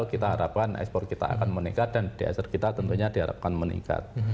kita harapkan ekspor kita akan meningkat dan dasar kita tentunya diharapkan meningkat